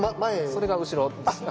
それが後ろです。